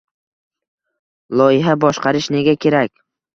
Loyiha boshqarish nega kerak